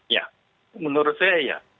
ya menurut saya ya